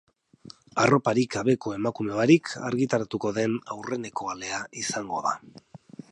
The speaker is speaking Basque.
Arroparik gabeko emakume barik argitaratuko den aurreneko alea izango da.